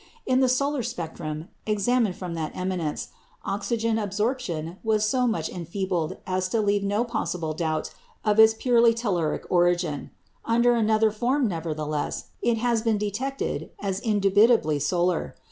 In the solar spectrum, examined from that eminence, oxygen absorption was so much enfeebled as to leave no possible doubt of its purely telluric origin. Under another form, nevertheless, it has been detected as indubitably solar.